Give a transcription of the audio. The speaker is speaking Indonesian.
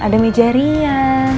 ada meja ria